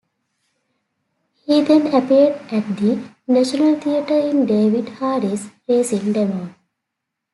He then appeared at the National Theatre in David Hare's "Racing Demon".